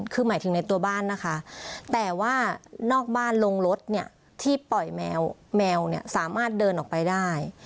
คือหมายถึงในตัวบ้านนะคะแต่ว่านอกบ้านลงรถเนี่ยที่ปล่อยแมวแมวเนี่ยสามารถเดินออกไปได้